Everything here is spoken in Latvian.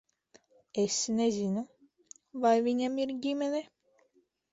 Es nezinu, vai viņam ir ģimene.